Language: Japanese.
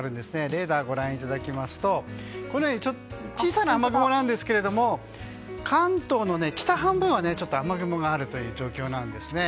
レーダーをご覧いただきますと小さな雨雲なんですが関東の北半分は雨雲があるという状況なんですね。